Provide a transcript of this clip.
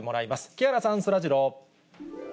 木原さん、そらジロー。